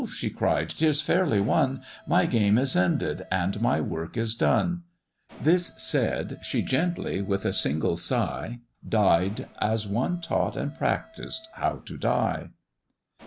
she cried, ''tis fairly won, My game is ended and my work is done;' This said, she gently, with a single sigh, Died as one taught and practised how to die.